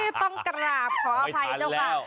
ต้องกราบขออภัยเจ้าค่ะไม่ทันแล้ว